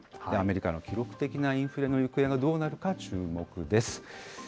アメリカの記録的なインフレの行方がどうなるか、注目です。